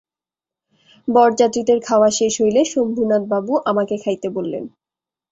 বরযাত্রীদের খাওয়া শেষ হইলে শম্ভুনাথবাবু আমাকে খাইতে বলিলেন।